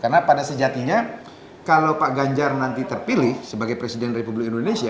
karena pada sejatinya kalau pak ganjar nanti terpilih sebagai presiden republik indonesia